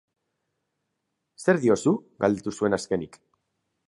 Zer diozu?, galdetu zuen azkenik.